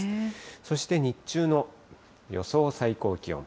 そして、日中の予想最高気温。